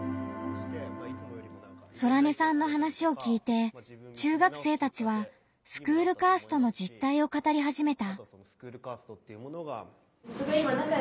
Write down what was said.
ソラネさんの話を聞いて中学生たちはスクールカーストの実態を語り始めた。